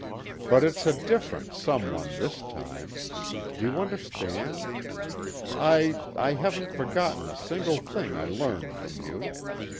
But it's a different 'some one' this time. Do you understand? I I haven't forgotten a single thing I learned from you.